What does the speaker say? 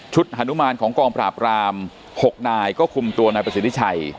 ฮานุมานของกองปราบราม๖นายก็คุมตัวนายประสิทธิชัย